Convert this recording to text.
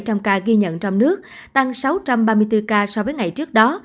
trong đó hai mươi năm ca ghi nhận trong nước tăng sáu trăm ba mươi bốn ca so với ngày trước đó